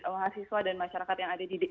mahasiswa dan masyarakat yang ada di